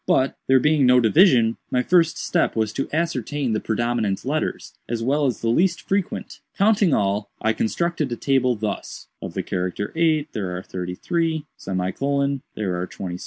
But, there being no division, my first step was to ascertain the predominant letters, as well as the least frequent. Counting all, I constructed a table, thus: Of the character 8 there are 33. ;" 26. 4 " 19. ‡)" 16. *" 13. 5 " 12. 6 " 11.